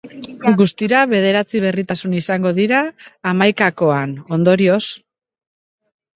Guztira bederatzi berritasun izango dira hamaikakoan, ondorioz.